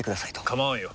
構わんよ。